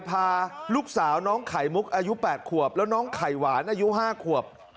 พาลูกสาวน้องไข่มุกอายุ๘ขวบแล้วน้องไข่หวานอายุ๕ขวบ